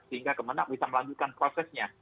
sehingga kemenang bisa melanjutkan prosesnya